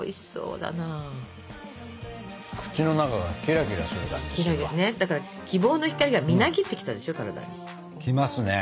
だから希望の光がみなぎってきたでしょ体に。来ますね。